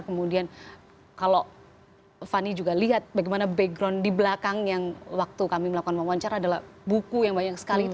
kemudian kalau fani juga lihat bagaimana background di belakang yang waktu kami melakukan wawancara adalah buku yang banyak sekali itu